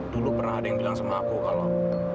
dulu pernah ada yang bilang sama aku kalau